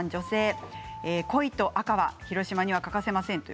コイと赤は広島には欠かせません。